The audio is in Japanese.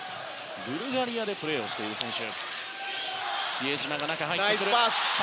ブルガリアでプレーをしている選手。